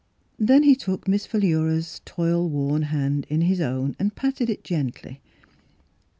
Then he took Miss Philura's toil worn hand is his own and patted it gently.